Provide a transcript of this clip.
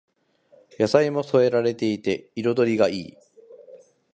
野菜も添えられていて彩りがいい